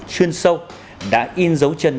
chuyên sâu đã in dấu chân